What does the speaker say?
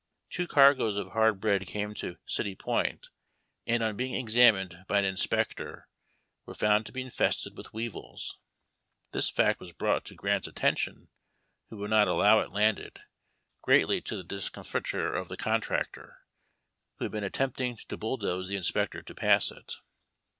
Two cargoes of hard bread came to City Point, and on being examined by an inspector were found to be infested with weevils. This fact was brought to Grant's attention, who would not allow it landed, greatly to the discomfiture of the contractor, who had been attempting to bulldoze the inspector to pass it.